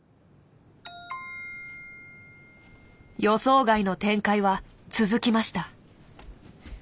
予想外の展開は続きました。